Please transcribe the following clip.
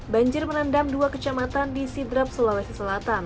banjir merendam dua kecamatan di sidrap sulawesi selatan